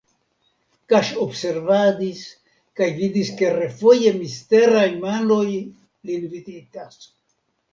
Kaŝobservadis kaj vidis, ke refoje misteraj manoj lin vizitas.